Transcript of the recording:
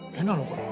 これ。